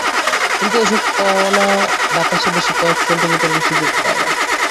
কিন্তু এসব কণা বাতাসে ভেসে কয়েক সেন্টিমিটারের বেশি যেতে পারে না।